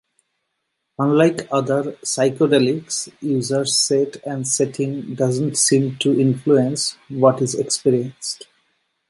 Unlike other psychedelics, users' set and setting doesn't seem to influence what is experienced.